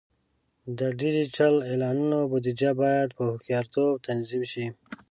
د ډیجیټل اعلانونو بودیجه باید په هوښیارتوب تنظیم شي.